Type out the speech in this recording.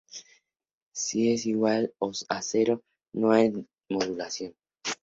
Si m es igual a cero, no hay modulación.